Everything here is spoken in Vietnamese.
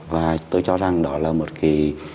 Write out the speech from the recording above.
và tôi cho rằng đó là một cái